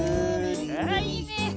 ああいいね。